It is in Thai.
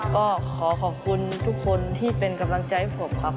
ก็ขอขอบคุณทุกคนที่เป็นกำลังใจให้ผมครับ